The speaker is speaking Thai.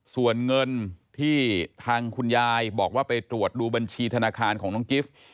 ส่วนเงินที่ทางคุณยายบอกว่าไปตรวจดูบัญชีธนาคารของน้องกิฟต์